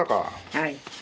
はい。